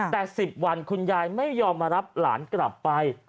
แต่๑๐วันคุณยายไม่ยอมมารับหลานกลับไป